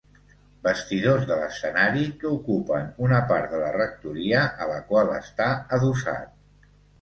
Vestidors de l'escenari que ocupen una part de la Rectoria a la qual està adossat.